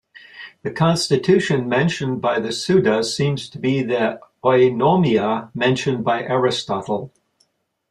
The "constitution" mentioned by the Suda seems to be the "Eunomia" mentioned by Aristotle.